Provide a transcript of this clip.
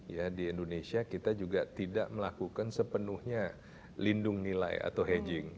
ya di indonesia kita juga tidak melakukan sepenuhnya lindung nilai atau hedging